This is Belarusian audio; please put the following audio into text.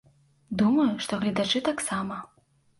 Думаю, што гледачы таксама.